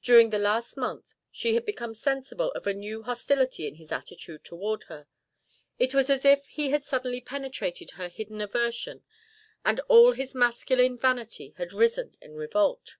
During the last month she had become sensible of a new hostility in his attitude toward her; it was as if he had suddenly penetrated her hidden aversion and all his masculine vanity had risen in revolt.